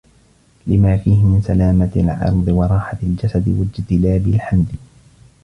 لِمَا فِيهِ مِنْ سَلَامَةِ الْعِرْضِ وَرَاحَةِ الْجَسَدِ وَاجْتِلَابِ الْحَمْدِ